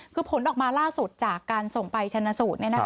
คือผลออกมาล่าสุดจากการส่งไปชนะสูตร